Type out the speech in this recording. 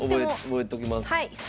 覚えときます。